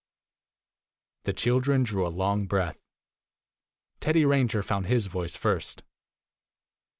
The children drew a long breath. Teddy Ranger found his voice first.